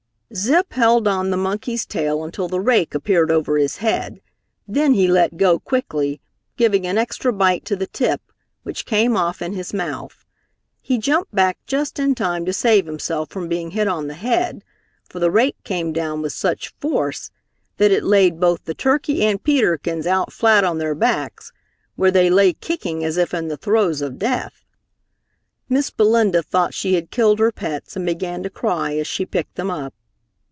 Zip held on the monkey's tail until the rake appeared over his head, then he let go quickly, giving an extra bite to the tip, which came off in his mouth. He jumped back just in time to save himself from being hit on the head, for the rake came down with such force that it laid both the turkey and Peter Kins out flat on their backs, where they lay kicking as if in the throes of death. Miss Belinda thought she had killed her pets, and began to cry as she picked them up.